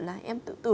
là em tự tử